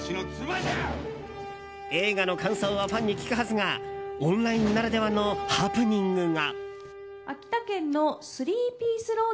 映画の感想をファンに聞くはずがオンラインならではのハプニングが。